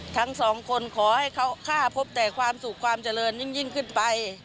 ทั้งสองคนขอให้เขาฆ่าพบแต่ความสุขความเจริญยิ่งขึ้นไป